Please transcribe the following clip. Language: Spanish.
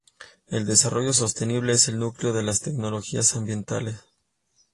El desarrollo sostenible es el núcleo de las tecnologías ambientales.